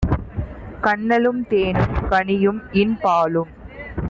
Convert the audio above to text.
கன்னலும் தேனும் கனியும் இன் பாலும்